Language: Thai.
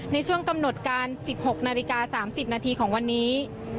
ในช่วงกำหนดการ๑๖นาฬิกา๓๐นาทีของวันนี้